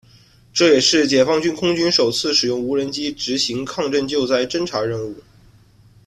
这也是解放军空军首次使用无人机执行抗震救灾侦察任务。